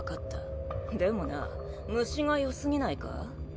でもな虫が良すぎないか？